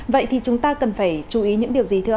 vậy thì chúng ta cần phải chú ý những điều gì thưa ông